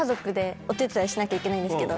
しなきゃいけないんですけど。